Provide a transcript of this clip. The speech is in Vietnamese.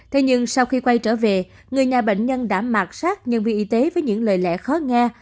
thế nhưng sau khi quay trở về người nhà bệnh nhân đã mạc sát nhân viên y tế với những lời lẽ khó nghe